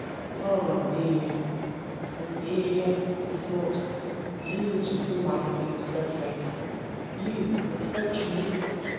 "O Amelia, Amelia," he thought, "you to whom I have been so faithful you reproach me!